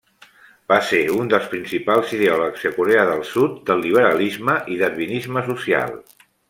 Va ser un dels principals ideòleg a Corea del Sud del liberalisme i darwinisme social.